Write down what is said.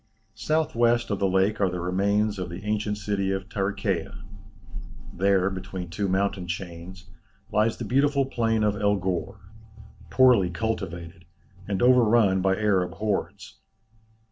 South west of the lake are the remains of the ancient city of Tarichæa. There, between two mountain chains, lies the beautiful plain of El Ghor, poorly cultivated, and overrun by Arab hordes.